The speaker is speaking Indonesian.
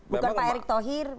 bukan pak erick thohir